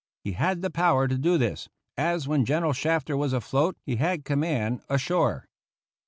He had the power to do this, as when General Shafter was afloat he had command ashore.